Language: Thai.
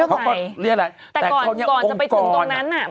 แต่ก่อนจะไปถึงตรงนั้นอะ